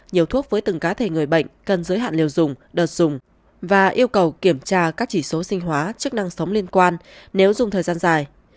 nhiều thuốc với từng cá thể người bệnh cần giới hạn liều dùng đợt dùng và yêu cầu kiểm tra các chỉ số sinh hóa chức năng sống liên quan nếu dùng thời gian dài